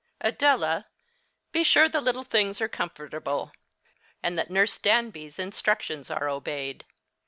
Adela, be sure the little things are comfortable, and that Nurse Danby's instructions are obeyed."